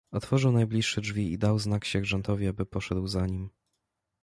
"Otworzył najbliższe drzwi i dał znak sierżantowi, aby poszedł za nim."